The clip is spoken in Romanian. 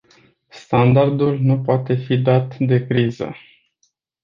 Standardul nu poate fi dat de criză!